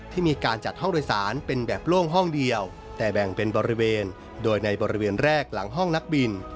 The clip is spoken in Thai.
ที่มีการจัดห้องโดยสารเป็นแบบโล่งห้องเดียวแต่แบ่งเป็นบริเวณโดยในบริเวณแรกหลังห้องนักบิน